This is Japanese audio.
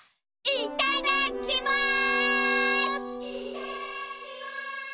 いただきます！